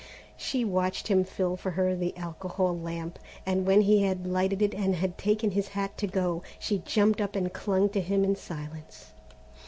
She watched him fill for her the alcohol lamp, and when he had lighted it and had taken his hat to go, she jumped up and clung to him in silence.